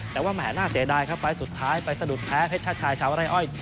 แต่ว่าแหม่น่าเสียดายครับไฟล์สุดท้ายไปสะดุดแพ้เพชรชาติชายชาวไร่อ้อย